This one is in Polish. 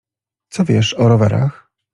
Co wiesz o rowerach?